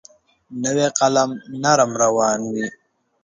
نوی قلم نرم روان وي.